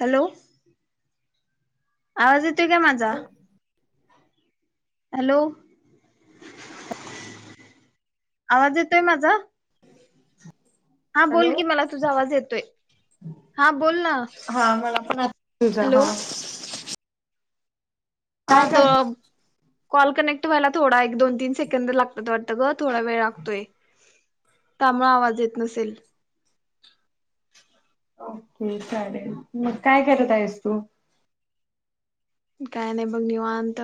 Hello. आवाज येतोय काय माझा? हॅलो. आवाज येतोय माझा? हा हॅलो बोल की, मला तुझा आवाज येतोय... हा बोल ना हा मला पण [unintelligible] तुझा... हा हॅलो हा काय कर [unintelligible] कॉल कनेक्ट व्हायला थोडा... एक दोन तीन सेकंड लागतात वाटतं ग... थोडा वेळ लागतोय. त्यामुळं आवाज येत नसेल. ठीक चाललंय... मग काय करत आहेस तू? काय नाही बघ निवांत.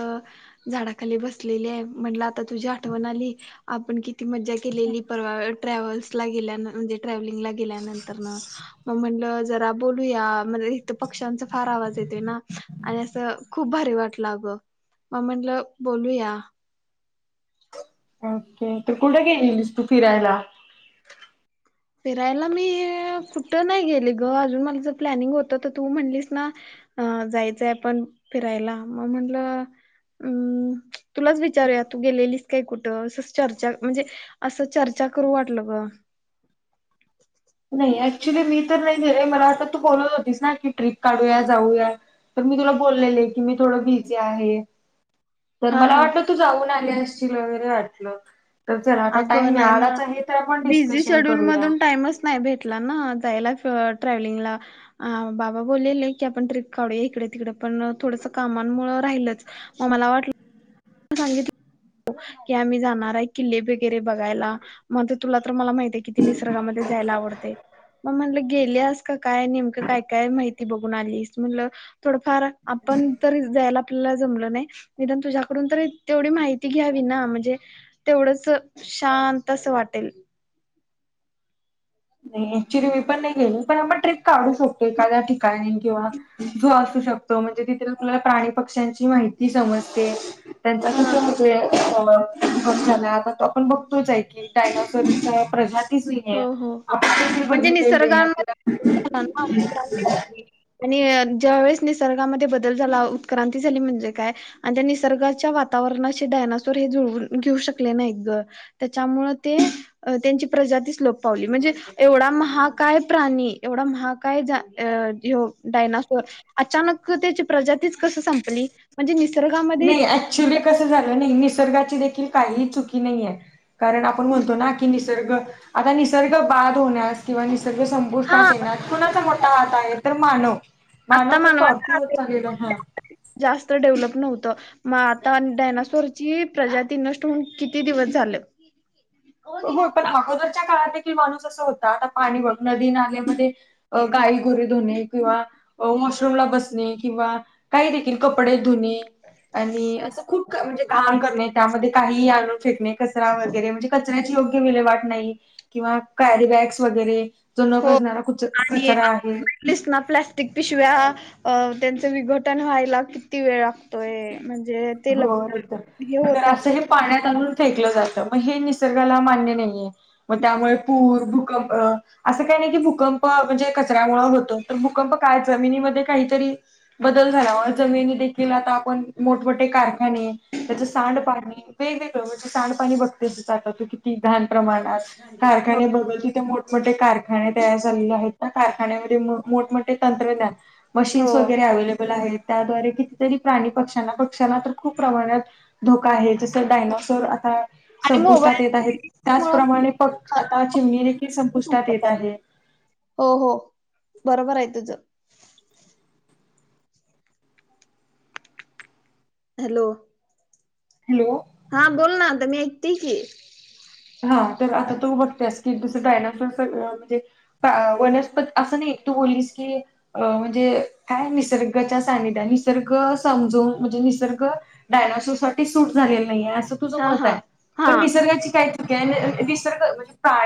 झाडाखाली बसलेली आहे. म्हंटलं आता तुझी आठवण आली आपण किती मज्जा केलेली परवा. ट्रॅव्हल्सला गेल्या म्हणजे ट्रॅव्हलिंगला गेल्यानंतरन मग म्हणलं जरा बोलूया. म्हण इथ पक्ष्यांचा फार आवाज येतोय ना? आणि असं इथ खूप भारी वाटलं अग मग म्हटलं बोलूया. ओके तर कुठे गेलेलीस तू फिरायला. फिरायला मी कुठं नाही गेले ग. अजून मला जर प्लॅनिंग होत तर तू म्हणलीस ना? अ जायचंय आपण फिरायला मग म्हटलं अम् तुलाच विचारूया तू गेलेलीस काय कुठं अस चर्चा म्हणजे असं चर्चा करू वाटलं ग. [inaudible] नाही ऍक्च्युली मी तर नाही मला आता तू बोलत होतीस ना की ट्रीप काढूया जाऊया. तर मी तुला बोललेले आहे की मी थोडं बिझी आहे. तर हा मला हा वाटलं तू जाऊन आली असशील वगैरे वाटलं तर चला आता टाइम अगं नाही ना मिळालाच आहे तर आपण बिझी डिस्कशन शेड्यूल करूया. मधून टाइमच नाही भेटला ना जायला ट्रॅव्हलिंगला अ बाबा बोलेले की आपण ट्रीप काढूया इकडे तिकडे पण थोडस कामांमुळे राहिलच. म मला वाटलं सांगितलं की आम्ही जाणार आहे किल्ले वगैरे बघायला. मग ते तुला तर मला माहितीय कि ती निसर्गामध्ये जायला आवडतय. मग म्हटलं गेल्यास का काय नेमकं काय काय माहित ते बघून आलीस? म म्हणलं थोडफार आपण तरी जायाला आपल्याला जमल नाही निदान तुझ्या करून तर तेवढी माहिती घ्यावी ना म्हणजे तेवढंच शांत असं वाटेल. नाही ऍक्च्युली मी पण नाही गेली पण आम्ही ट्रीप काढू शकतो एखाद्या ठिकाणी किंवा जो असू शक तो म्हणजे तिथे तुला प्राणी पक्ष्यांची माहिती समजते त्यांच्या हा साठी की तो स्फोट झाला आपण बघतोच आहे की डायनासोर ची काय प्रजाती [unintelligible] हो हो आपण किती म्हणजे बघितलेले आपल्या निसर्गामध्ये झाला ना उत्क्रांती झाली. आणि ज्या वेळेस निसर्गामध्ये बदल झाला. उत्क्रांती झाली म्हणजे काय? आणि त्या निसर्गाच्या वातावरणाशी डायनासोर हे जुळवून घेऊ शकले नाहीत ग. त्याच्यामुळ ते त्यांची प्रजातीच. लोप पावली म्हणजे एवढा महाकाय प्राणी एवढा महाकाय जा ए - - यो डायनासोर अचानक त्याची प्रजातीच कस संपली म्हणजे निसर्गामध्ये [unintelligible] कस झाल नाही. निसर्गाची देखील काहीही चुकी नाहीेय. कारण आपण म्हणतो ना जर बघ आता निसर्ग बाद होण्यास किंवा निसर्ग हा संपुष्टात येणार कुणाचा मोठा वाटा आहे तर मानव. मानव आता हा स्वार्थी मानवाचा हात होता आहे. चाललाय हा. जास्त डेव्हलप नव्हतं. मग आता डायनासोरची प्रजाती नष्ट होऊन किती दिवस झालं. हो पण अगोदरच्या काळात देखील माणूस असा होता आता पाणी बघ नदी नाल्यामध्ये अ गाई गोरीे धुणे किंवा वॉशरूमला बसणे किंवा काही देखील कपडे धुणे आणि असं खूप क म्हणजे घाण करणे. त्यामध्ये काही आणून फेकणे. कचरा वगैरे म्हणजे कचऱ्याची योग्य विल्हेवाट नाही किंवा कॅरीबॅग्ज वगैरे - जो न कुजणारा कुच कचरा आहे. लिसना प्लॅस्टीक पिशव्या अ, त्यांचं विघटन व्हायला किती वेळ लागतोय, म्हणजे, ते हो, एक तर, हे तर होत नाही असं हे पाण्यात आणून,, फेकलं जातं मग हे, निसर्गाला मान्य नाहीये. मग, त्यामुळे पूर भूकंप, असं, काही नाही की, भूकंप म्हणजे कचऱ्यामुळ होतो, तर भूकंप काय जमिनीमध्ये काहीतरी बदल झाल्या मुळे, जमिनी देखील आता, आपण मोठमठ ठे, कारखाने, त्याच सांडपाणी वेगवेगळे, म्हणजे, सांडपाणी बघ किती घाण प्रमाणात, कारखाने बघल तिथे मोठे -मोठे कारखाने तयार झालेले आहेत. कारखान्यामध्ये, मोठमठे तंत्रज्ञान हो मशीन्स, वगैरे अवलेबल आहेत. त्याद्वारे कितीतरी, प्राणी पक्ष्यांना, पक्ष्यांना तर खूप प्रमाणात धोका आहे, जसं डायनाॉसोर आता आणि संपुष्टात मोबाईल येत आहेत, मुळे त्याचप्रमाणे प आता चिमणी देखील, संपुष्टात येत संपतात आहे. हो, हो, बरोबर आहे तुझ. हॅलो! हॅलो? हा, बोल ना आता मी ऐकते की, हा, तर आता तू बघतेस की, दुसं डायनासोर स म्हणजे, वनस्पत, असं नाही तू बलीस की, अ, म्हणजे काय, निसर्गाच्या सानिद्यात, निसर्ग समजून म्हणजे, निसर्ग डायनाॉसोर, साठी सूट झालेलं नाहीे, असं तुझं हा मत हा आहे. हा पण निसर्गाची काय चुकी, निसर्ग म्हणजे- प्रा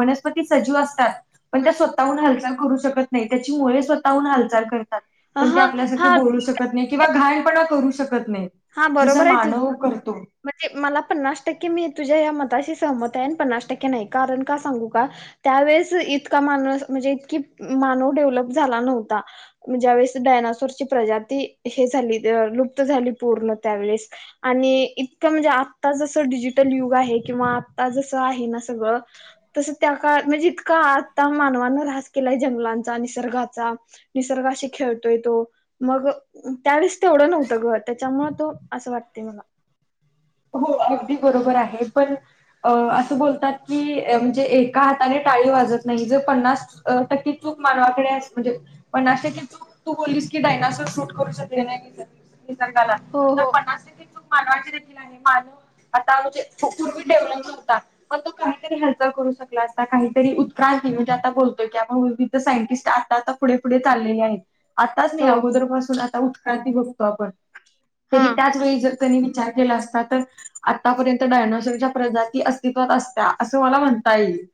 वनस्पती सजीव असतात. पण, त्या स्वतःहून हालचाल करू शकत नाही, त्याची मूळ स्वतःहून हालचाल करतात. पण, ते हा हा आपल्यासारखे बोलू शकत नाही, किंवा घाणपणा करू शकत नाही. हा जसा, बरोबर आहे तुझ मानव करतो. म्हणजे, मला पन्नास टक्के, मी तुझ्या या मताशी सहमत आहे. आणि, पन्नास टक्के नाही, कारण का सांगू का! त्यावेेळेस, इतका मानव म्हणजे, इतकी मानव डेव्हलप झाला नव्हता. ज्यावेेळेस, डायनासोरची प्रजाती हे, झाली लुप्त झाली, पूर्ण त्यावेेळेस आणि, इतकं म्हणजे, आत्ता जसं डिजिटल युग आहे, किंवा आत्ता जसं आहे ना सगळं, तसं, त्या काळात म्हणजे, इतका आता मानवाांन, रास केलाय, जंगलांचा, निसर्गाचा, निसर्गाशी खेळतोय तो, मग त्यावेळेस, तेवढं नव्हतं ग. त्याच्यामुळे तो, असं वाटते मला, हो, अगदी बरोबर आहे, पण, अ, असं बोलतात की, म्हणजे एका हाताने टाळी वाजत नाही, जे पन्नास अ, टक्की चूक मानवाकडे म्हणजे, पन्नास टक्के चूक तू, बोलीस की डायनासोर, शूट करू शकले नाही. निसर्गाला हो तर, हो पन्नास टक्के चूक मानवाची देखीलआहे, मान आता म्हणजे, पूरीवी डेव्हलप नव्हता, मग, तो काहीतरी हालचला करू शकला असता, काहीतरी उत्क्रांती, म्हणजे आता बोलतोय की, आपण विविध सायंटिस्ट आता -आता, पुढे -पुढे चाललेले आहेत. आताच हो नाही, अगोदर पासून आता उत्काती बघतो आपण, हा तरी त्याच वेळी जर त्यांनी विचार केला, असतात तर, आतापर्यंत, डायनॉसोरच्या प्रजाती अस्तित्वात असत्या, असं मला म्हणता येईल,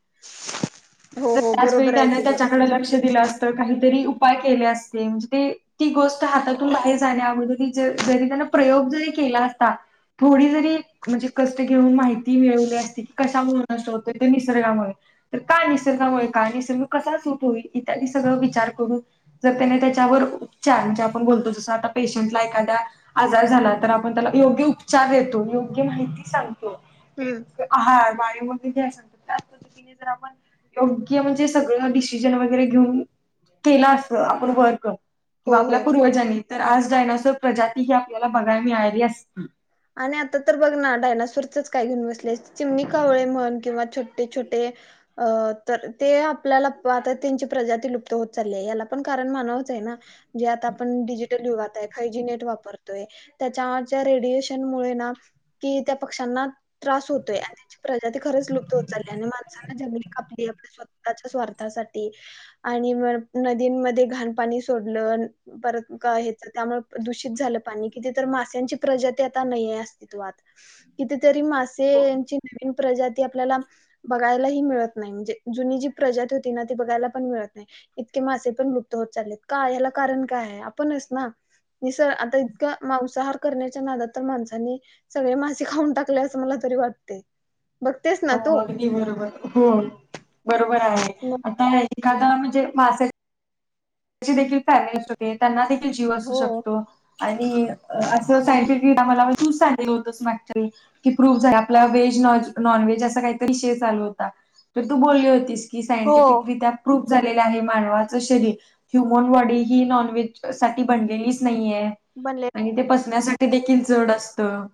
हो तर, हो त्याचवेेळी बरोबर आहे त्याने तुझं त्याच्याकडे, लक्ष दिलं असत. काहीतरी उपाय केले असते, म्हणजे ते ती, गोष्ट हातातून बाहेर जाण्या अगोदर, जरी त्यांना प्रयोग जरी केला असता, थोडी जरी... म्हणजे कष्ट घेऊन माहिती मिळवली असती... कशामुळं असं होतय.... तर निसर्गामुळे तर का निसर्गामुळे? काय... निसर्ग कसा [unintelligible] होईल इत्यादी सगळं विचार करून जर त्याने त्याच्यावर उपचार... म्हणजे आपण बोलतो जसं आता पेशंटला एखाद्या आजार झाला तर आपण त्याला योग्य उपचार देतो... योग्य माहिती सांगतो हूं. आहार... [unintelligible] किती असलं... तर त्याच पद्धतीने जर आपण योग्य म्हणजे... सगळं डिसिजन वगैरे घेऊन... केलं असतं... आपण वर्क हो किंवा आपल्या हो पूर्वजांनी.... तर आज डायनासोर प्रजाती ही आपल्याला बघायला मिळाली असती. आणि आता तर बघ ना... डायनासोरचंच काय घेऊन बसले... चिमणी, कावळे म्हण... किंवा छोटे छोटे अं... तर ते आपल्याला.. आता त्यांची प्रजाती लुप्त होत चालली ए... तर याला पण कारण मानवच ए ना? जे आता आपण डिजिटल युगात ए... आता हे जे नेट वापतोय त्याच्या रेडियशन मुळे ना... की त्या पक्षांना त्रास होतोय... आणि त्यांची प्रजाती खरंच लुप्त होत चालली ए.. आणि माणसांनी जंगली कापली.. आपली स्व स्वतः च्या स्वार्थासाठी... आणि मग... नदींमध्ये घाण पाणी सोडलं परत [unintelligible] हे तर त्यामुळे दूषित झालं पाणी... किती तर माश्यांची प्रजात -ती आता नाई ए अस्तित्वात... कितीतरी मासेंयांची नवीन प्रजाती आपल्याला बघायलाही मिळत नाई... म्हणजे जुनी जी प्रजत होती ना... ती बघायला पण मिळत नाई. इतके मासे पण लुप्त होत चाललेत का? याला कारण काय ए... आपणच ना? निसं... आता इतकं मांसाहार करण्याच्या नादात माणसांनी सगळे मासे खाऊन टाकले.. असं मला तरी वाटतंय... बघतेस ना हो तू? अगदी बरोबर... हो... बरोबर आहे. मग आता एखादं.. म्हणजे मासा देखील फॅमिली नष्ट होतेय... त्यांना देखील जीव असू हो शकतो... आणि असं हो सायंटिफिक आम्हाला तूच सांगितलं होतंस मागच्या वेळी की प्रूव्ह झालं... आपला व्हेज, नॉन व्हेज असा काहीतरी विषय चालू होता... तर तू बोलली होतीस की हो सायंटिफिकरित्या प्रूफ झालेलं आहे... मानवाचं शरीर ह्यूमन बॉडी... ही नॉन व्हेज साठी बनलेलीच नाहीये. बनले. आणि ते पचण्यासाठी देखील जड असतं.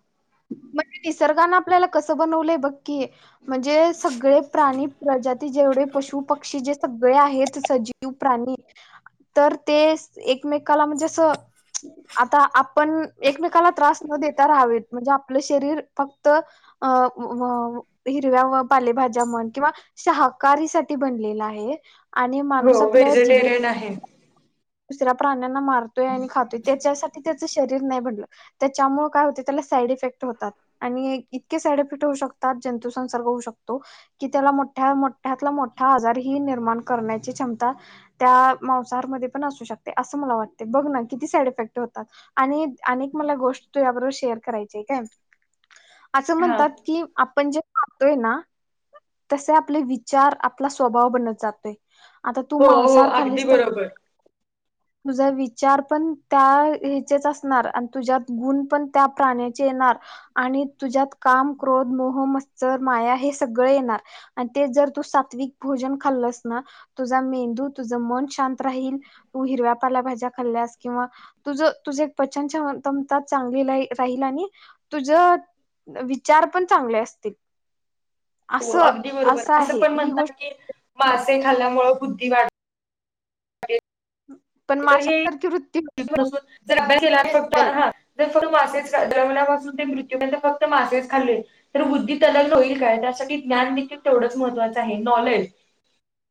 म्हणजे निसर्गानं आपल्याला कसं बनवलंय बघ की... म्हणजे सगळे प्राणी... प्रजाती ते जेवढे पशु पक्षी... जे सगळे आहेत... ते सजीव प्राणी तर ते... एकमेकाला म्हणजे असं आता आपण... एकमेकाला त्रास न देता राहावेत... म्हणजे आप आपलं शरीर फक्त... अं... वं... हिरव्या व पालेभाज्या म्हण किंवा शाहकारीसाठी बनलेलं आहे आणि माणूस हो आपल्या जिबे- व्हेजिटेरियन आहे. दुसऱ्या प्राण्यांना मारतोय आणि खातोय... त्याच्यासाठी त्याचं शरीर नाही बनलं त्याच्यामुळे काय होते... त्याला साईड इफेक्ट होतात. आणि इतके साईड इफेक्ट होऊ शकतात... जंतूसंसर्ग होऊ शकतो कि त्याला मोठ्या... मोठ्यातला मोठा... आजार ही निर्माण करण्याची क्षमता त्या मांसाहारमध्ये... पण असू शकते... असं मला वाटते... बघ ना किती साईड इफेक्ट होतात. आणि आणी एक मला गोष्ट तुझ्याबरोबर शेअर करायचीय काय... असं हा म्हणतात कि आपण जे खातोय ना... तसे आपले विचार... आपला स्वभाव बनत जातोय. आता तू हो हो मांसाहार अगदी खल्लीस तर बरोबर. तुझा विचार पण... त्या हेचेच असणार... आणि तुझ्यात गुण पण त्या प्राण्याचे येणार आणि तुझ्यात काम, क्रोध, मोह, मत्सर, माया हे सगळ येणार आणि ते जर तू सात्विक भोजन खाल्लस ना तुझा मेंदू तुझं मन शांत राहील तू हिरव्या पाल्याभाज्या खाल्ल्यास किंवा तुझ तुझ एकच्चनमतमता चांगली रा राहील आणि तुझ विचार पण चांगले असतील हो असं अगदी बरोबर असं आहे पण ही म्हणतात गोष्ट की मासे खाल्ल्यामूळ बुद्धी वाढ पण तर हे माशासारखी वृत्ती ज अभ्यास केला फक्त हा जर फक्त मासेच जन्मल्यापासून ते मृत्यूंपर्यंत फक्त मासेच खाल्ले तर बुद्धीत [unintelligible] काय तर असं की ज्ञान देखील तेवढंच महत्त्वाचं आहे नॉलेज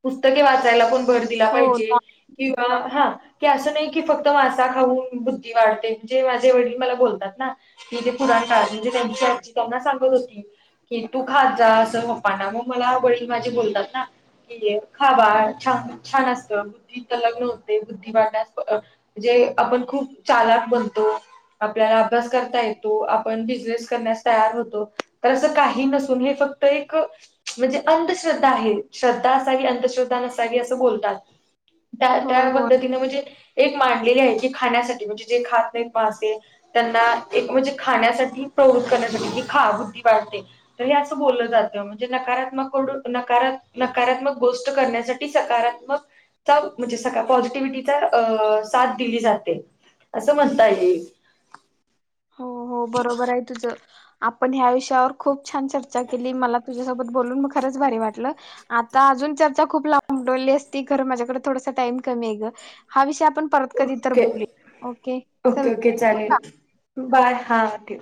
पुस्तके वाचायला पण भर दिला हो पाहिजे किंवा हा की असं नाही की फक्त मासा खाऊन बुद्धी वाढते जे माझे वडील मला बोलतात ना हे जे पुरांता म्हणजे त्यांची आजची त्यांना सांगत होती कि तू खात जा असं पप्पांना मग मला वडील माझे बोलतात ना कि खा छान छान असत बुद्धी तर [unintelligible] होते बुद्धिवाटा म्हणजे आपण खूप चालाक म्हणतो आपल्याला अभ्यास करता येतो आपण बिझनेस करण्यास तयार होतो तर असं काही नसून हे फक्त त एक म्हणजे अंधश्रद्धा आहे श्रद्धा असावी अंधश्रद्धा नसावी असं बोलतात त्या, त्या होय होय पद्धतीने म्हणजे एक मांडलेली आहे की खाण्यासाठी म्हणजे जे खात नाहीत मासे त्यांना एक म्हणजे खाण्यासाठी प्रवृत्त करण्यासाठी ही खा बुद्धी वाढते तर हे असं बोललं जात म्हणजे नकारात्म कडू नकारात्मक गोष्ट करण्यासा की सकारात्मक तक म्हणजे सका पॉझ व्हिटीत अ साथ दिली जाते असं म्हणता येईल हो, हो बरोबर आहे तुझं आपण ह्या विषयावर खूप छान चर्चा केली मला तुझ्यासोबत बोलून म खरंच भारी वाटलं आता अजून चर्चा खूप लाबडवली असती खर माझ्याकडे थोडासा टाइम कमी आहे गं हा विषय आपण परत कधी तर ओके बोलू ओके चल ओके ओके चालेल बाय हा ठेव